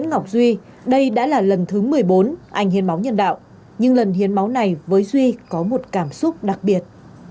ngọc duy đây đã là lần thứ một mươi bốn anh hiến máu nhân đạo nhưng lần hiến máu này với duy có một cảm xúc đặc biệt